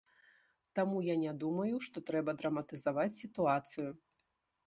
Таму я не думаю, што трэба драматызаваць сітуацыю.